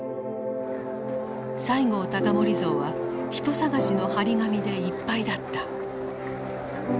西郷隆盛像は人捜しの貼り紙でいっぱいだった。